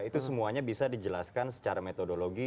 itu semuanya bisa dijelaskan secara metodologi